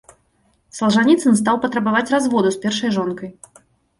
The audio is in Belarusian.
Салжаніцын стаў патрабаваць разводу з першай жонкай.